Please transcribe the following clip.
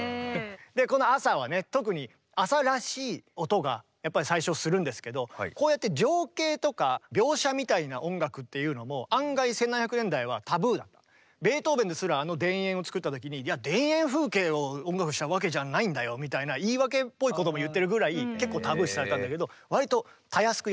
この「朝」はね特に朝らしい音がやっぱり最初するんですけどこうやってベートーベンですらあの「田園」を作った時にいや田園風景を音楽にしたわけじゃないんだよみたいな言い訳っぽいことも言ってるぐらい結構タブー視されたんだけど割とたやすくやってしまってる。